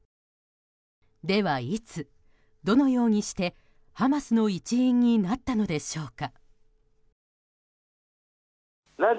ではいつ、どのようにしてハマスの一員になったのでしょうか。